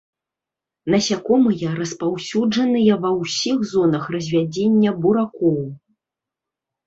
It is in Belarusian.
Насякомыя распаўсюджаныя ва ўсіх зонах развядзення буракоў.